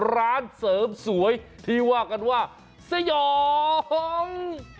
ร้านเสริมสวยที่ว่ากันว่าสยอง